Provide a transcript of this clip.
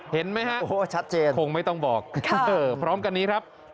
เห็นไหมฮะคงไม่ต้องบอกพร้อมกันนี้ครับโอ้ชัดเจน